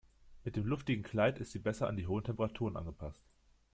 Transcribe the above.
Mit dem luftigen Kleid ist sie besser an die hohen Temperaturen angepasst.